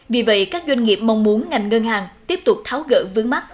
vì vậy các doanh nghiệp mong muốn ngành ngân hàng tiếp tục tháo gỡ vướng mắt